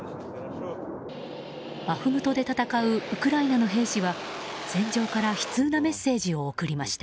バフムトで戦うウクライナの兵士は戦場から悲痛なメッセージを送りました。